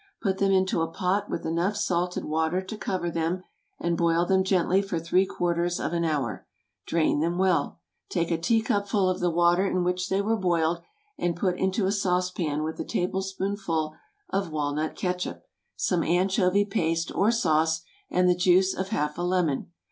Put them into a pot with enough salted water to cover them, and boil them gently for three quarters of an hour. Drain them well. Take a teacupful of the water in which they were boiled, and put into a saucepan with a tablespoonful of walnut catsup, some anchovy paste or sauce, and the juice of half a lemon.